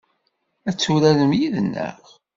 Ad turaremt yid-neɣ?